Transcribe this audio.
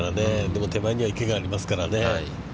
でも、手前には、池がありますからね。